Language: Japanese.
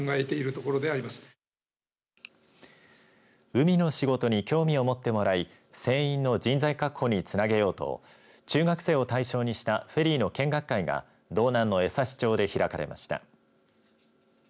海の仕事に興味を持ってもらい船員の人材確保につなげようと中学生を対象にしたフェリーの見学会が道南の江差町で開かれました。